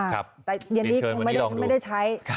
แต่เย็นดีไม่ได้ใช้